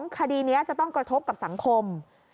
คดีนี้จะต้องกระทบกับสังคม